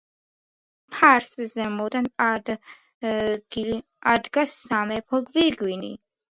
ფარს ზემოდან ადგას სამეფო გვირგვინი.